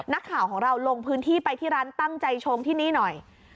นักข่าวของเราลงพื้นที่ไปที่ร้านตั้งใจชงที่นี่หน่อย